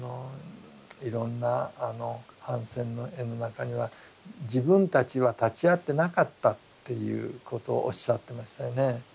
いろんなあの反戦の絵の中には自分たちは立ち会ってなかったっていうことをおっしゃってましたよね。